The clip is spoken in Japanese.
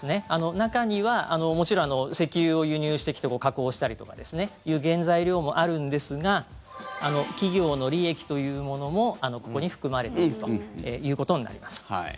中にはもちろん石油を輸入してきて加工したりとかっていう原材料もあるんですが企業の利益というものもここに含まれているということになります。